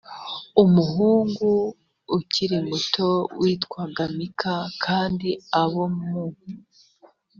umuhungu ukiri muto witwaga mika kandi abo mu